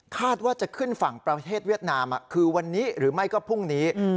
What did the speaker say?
ว่าจะขึ้นฝั่งประเทศเวียดนามคือวันนี้หรือไม่ก็พรุ่งนี้